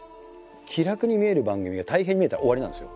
気楽に見える番組が大変に見えたら終わりなんですよ。